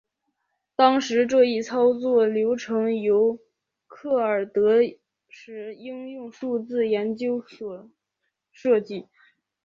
当时这一操作流程由克尔德什应用数学研究所所设计。